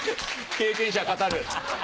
経験者は語る。